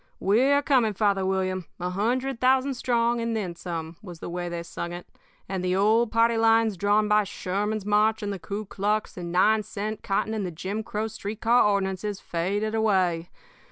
'We're coming, Father William, a hundred thousand strong and then some,' was the way they sang it. And the old party lines drawn by Sherman's march and the Kuklux and nine cent cotton and the Jim Crow street car ordinances faded away.